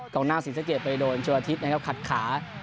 กล่องหน้าสีสะเกดไปโดนชวนอาทิตย์นะครับขัดขา